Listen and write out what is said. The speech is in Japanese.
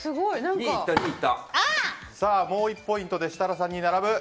さあ、もう１ポイントで設楽さんに並ぶ。